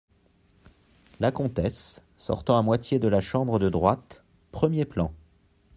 La Comtesse , sortant à moitié de la chambre de droite, premier plan.